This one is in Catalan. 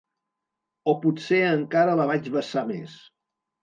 O potser encara la vaig vessar més.